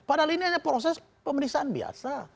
padahal ini hanya proses pemeriksaan biasa